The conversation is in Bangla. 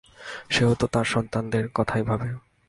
সেও তো তার সন্তানদের কথাই ভাবে।